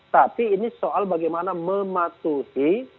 tapi ini soal bagaimana mematuhi